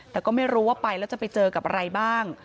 แต่ก็ไม่รู้ว่าไปแล้วจะไปเจอกับอะไรบ้าง